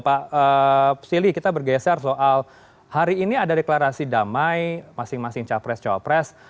pak silly kita bergeser soal hari ini ada deklarasi damai masing masing capres cowopres